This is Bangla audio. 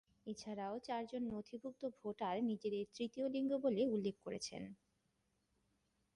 এছাড়াও চারজন নথিভূক্ত ভোটার নিজেদের তৃতীয় লিঙ্গ বলে উল্লেখ করেছেন।